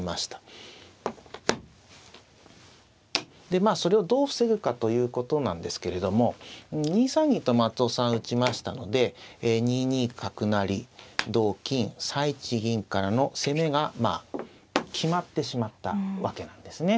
でまあそれをどう防ぐかということなんですけれども２三銀と松尾さん打ちましたので２二角成同金３一銀からの攻めがまあ決まってしまったわけなんですね。